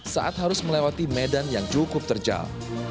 saat harus melewati medan yang cukup terjal